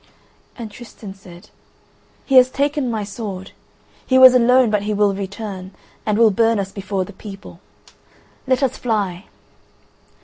And Tristan said: "He has taken my sword; he was alone, but he will return, and will burn us before the people. Let us fly."